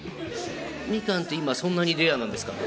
みかんって今そんなにレアなんですかね？